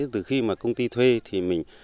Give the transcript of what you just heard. từ khi mà công ty thuê thì mình